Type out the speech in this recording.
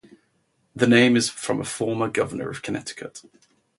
The name is from a former governor of Connecticut.